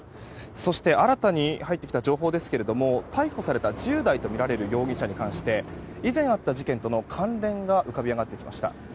そして、新たに入ってきた情報ですが逮捕された１０代とみられる容疑者について以前あった事件との関連が浮かび上がってきました。